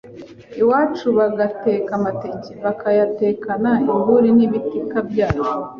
iwacu bagateka amateke, bakayatekana inguri n’ibitika byayo,